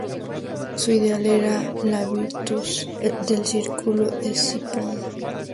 Su ideal era la "virtus" del Círculo de Escipión.